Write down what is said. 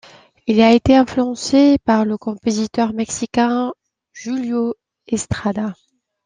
Il y a été influencé par le compositeur mexicain Julio Estrada.